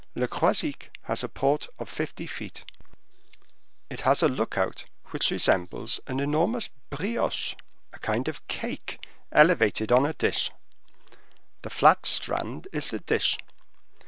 Le Croisic has a port of fifty feet; it has a look out which resembles an enormous brioche (a kind of cake) elevated on a dish. The flat strand is the dish.